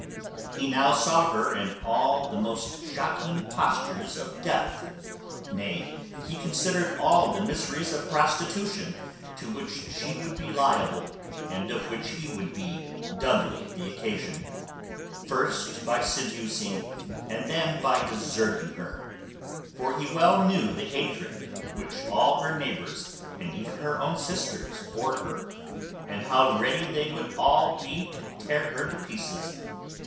He now saw her in all the most shocking postures of death; nay, he considered all the miseries of prostitution to which she would be liable, and of which he would be doubly the occasion; first by seducing, and then by deserting her; for he well knew the hatred which all her neighbours, and even her own sisters, bore her, and how ready they would all be to tear her to pieces.